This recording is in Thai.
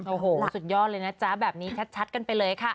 โอ้โหสุดยอดเลยนะจ๊ะแบบนี้ชัดกันไปเลยค่ะ